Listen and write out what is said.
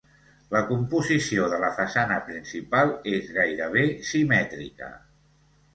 La composició de la façana principal és gairebé simètrica.